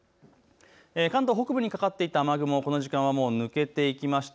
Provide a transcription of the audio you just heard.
関東北部にかかっていた雨雲、この時間はもう抜けていきました。